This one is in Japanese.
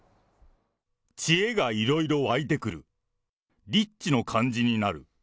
チエがいろいろ湧いてくる、リッチの感じになる。